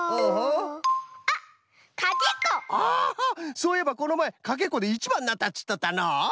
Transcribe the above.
そういえばこのまえかけっこでいちばんになったといっとったのう！